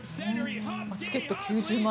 チケット９０万